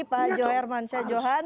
pak jho hermansyah johan